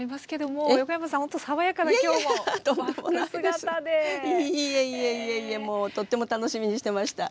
もうとっても楽しみにしてました。